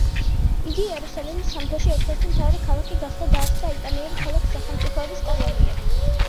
იგი იერუსალიმის სამეფოში ერთ-ერთი მთავარი ქალაქი გახდა, დაარსდა იტალიური ქალაქ-სახელმწიფოების კოლონიები.